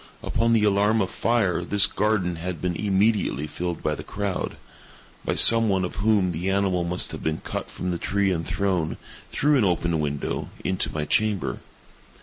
Upon the alarm of fire, this garden had been immediately filled by the crowd—by some one of whom the animal must have been cut from the tree and thrown, through an open window, into my chamber.